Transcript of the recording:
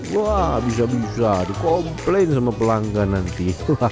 wah bisa bisa dikomplain sama pelanggan nanti